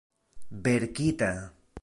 verkita